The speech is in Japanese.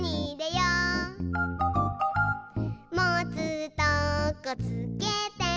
「もつとこつけて」